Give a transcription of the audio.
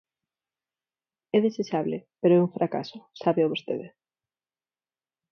É desexable pero é un fracaso, sábeo vostede.